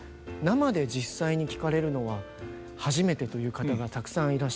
生で実際に聴かれるのは初めてという方がたくさんいらっしゃって。